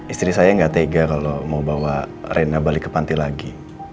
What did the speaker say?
istri saya nggak tega kalau mau bawa rena balik ke panti lagi